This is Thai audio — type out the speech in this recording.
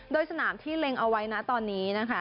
โดยสนามที่เล็งเอาไว้ตอนนี้